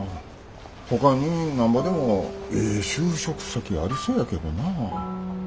ほかになんぼでもええ就職先ありそうやけどなあ。